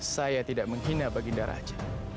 saya tidak menghina baginda raja